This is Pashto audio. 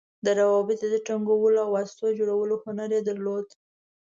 د روابطو د ټینګولو او واسطو جوړولو هنر یې درلود.